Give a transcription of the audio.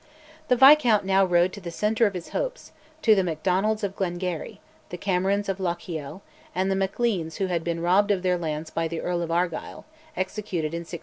The Viscount now rode to the centre of his hopes, to the Macdonalds of Glengarry, the Camerons of Lochiel, and the Macleans who had been robbed of their lands by the Earl of Argyll, executed in 1685.